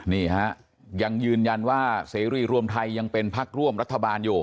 นี่ฮะยังยืนยันว่าเสรีรวมไทยยังเป็นพักร่วมรัฐบาลอยู่